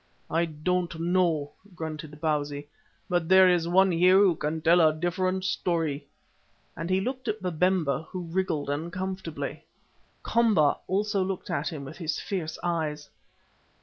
"I don't know," grunted Bausi, "but there is one here who can tell a different story," and he looked at Babemba, who wriggled uncomfortably. Komba also looked at him with his fierce eyes.